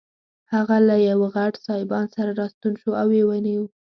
هغه له یوه غټ سایبان سره راستون شو او ویې نیو.